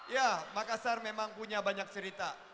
ya makassar memang punya banyak cerita